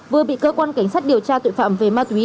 vừa bị cơ quan cảnh sát điều tra tội phạm về ma túy